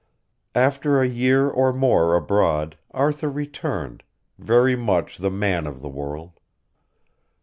After a year or more abroad Arthur returned, very much the man of the world.